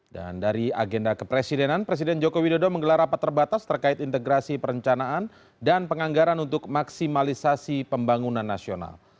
dan dari agenda kepresidenan presiden joko widodo menggelar rapat terbatas terkait integrasi perencanaan dan penganggaran untuk maksimalisasi pembangunan nasional